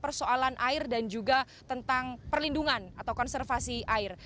persoalan air dan juga tentang perlindungan atau konservasi air